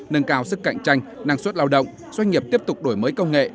nâng cao sức cạnh tranh năng suất lao động doanh nghiệp tiếp tục đổi mới công nghệ